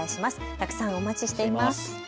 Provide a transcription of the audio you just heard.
たくさんお待ちしています。